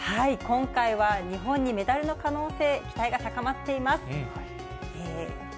今回は日本にメダルの可能性、期待が高まっています。